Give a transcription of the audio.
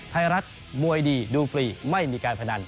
ไทยรัฐมวยดีดูฟรีไม่มีการพนัน